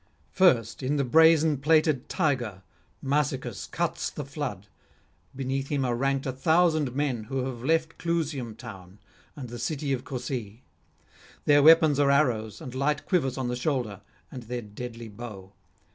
First in the brazen plated Tiger Massicus cuts the flood; beneath him are ranked a thousand men who have left Clusium town and the city of Cosae; their weapons are arrows, and light quivers on the shoulder, and their deadly bow.